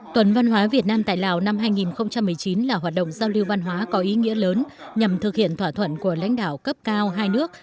tuần văn hóa việt nam tại lào năm hai nghìn một mươi chín là hoạt động giao lưu văn hóa có ý nghĩa lớn nhằm thực hiện thỏa thuận của lãnh đạo cấp cao hai nước